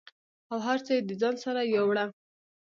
او هر څه یې د ځان سره یووړه